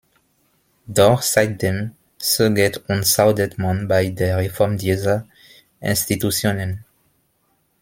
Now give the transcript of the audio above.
Doch seitdem zögert und zaudert man bei der Reform dieser Institutionen.